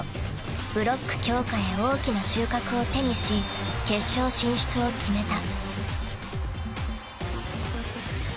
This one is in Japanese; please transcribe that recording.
［ブロック強化へ大きな収穫を手にし決勝進出を決めた］